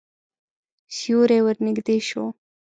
سیوری ورنږدې شو.